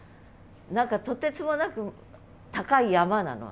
何かとてつもなく高い山なの？